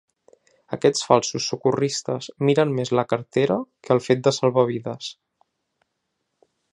Aquests falsos socorristes miren més la cartera que el fet de salvar vides.